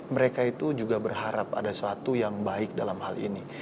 mereka itu juga berharap ada sesuatu yang baik dalam hal ini